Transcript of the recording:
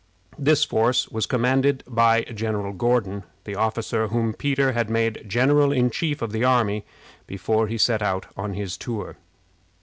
This force was commanded by General Gordon, the officer whom Peter had made general in chief of the army before he set out on his tour.